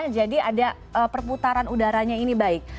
jadi ada perputaran udaranya ini baik